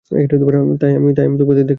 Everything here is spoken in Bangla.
তাই আমি তোমাকে দেখতে এসেছি।